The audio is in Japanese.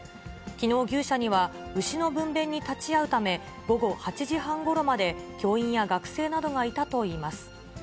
きのう、牛舎には牛の分べんに立ち会うため、午後８時半ごろまで教員や学生などがいたといいます。